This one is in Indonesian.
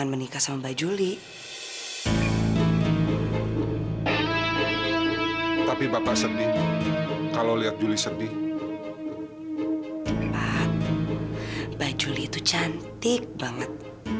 pak mbak juli itu cantik banget